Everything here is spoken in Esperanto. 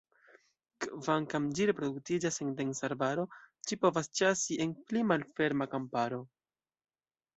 Kvankam ĝi reproduktiĝas en densa arbaro, ĝi povas ĉasi en pli malferma kamparo.